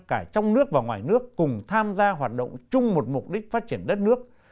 cả trong nước và ngoài nước cùng tham gia hoạt động chung một mục đích phát triển đất nước